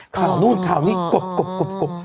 ข่าวนู่นข่าวนี้กลบกลบกลบ